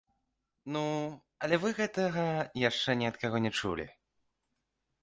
Ну, але вы гэтага яшчэ ні ад каго не чулі?